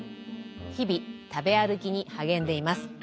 日々食べ歩きに励んでいます。